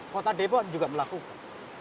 kota depok juga melakukan